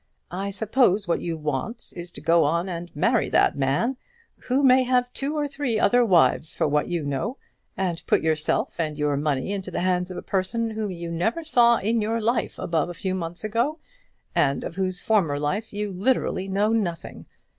I suppose what you want is to go on and marry that man, who may have two or three other wives for what you know, and put yourself and your money into the hands of a person whom you never saw in your life above a few months ago, and of whose former life you literally know nothing.